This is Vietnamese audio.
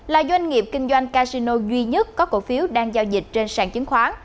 là doanh nghiệp kinh doanh casino duy nhất có cổ phiếu đang giao dịch trên sàn chứng khoán